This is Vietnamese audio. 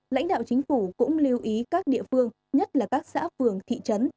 lãnh đạo chính phủ cũng lưu ý các địa phương nhất là các xã phường thị trấn